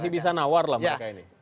masih bisa nawar lah mereka ini